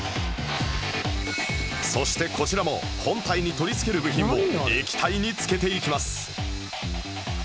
そしてこちらも本体に取り付ける部品を液体につけていきます